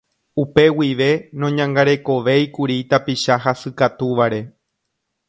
Upe guive noñangarekovéikuri tapicha hasykatuváre.